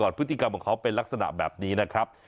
พฤติกรรมของเขาเป็นลักษณะแบบนี้นะครับ